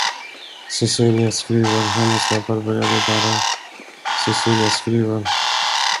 Cecilia skriver, hennes läppar började darra, Cecilia skriver.